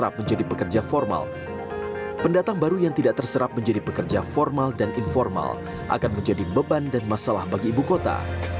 pendatang baru yang tidak terserap menjadi pekerja formal dan informal akan menjadi beban dan masalah bagi ibu kota